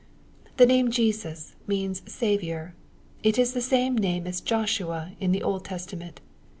The name Jesus means ^^ Saviour/' It is the same name as Joshua in the Old Testament.